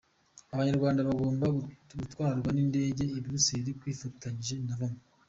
Abanyarwanda bagombaga gutwarwa n’indege i Bruxelles, twifatanyije na mwe.